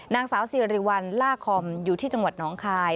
นางสาวสิริวัลล่าคอมอยู่ที่จังหวัดน้องคาย